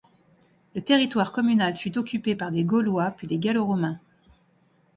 Le territoire communal fut occupé par des Gaulois puis des Gallo-romains.